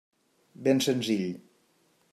Ben senzill.